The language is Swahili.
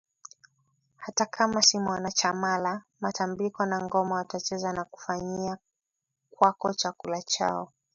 hata kama si mwanachamaIla matambiko na ngoma watacheza na kufanyia kwakoChakula chao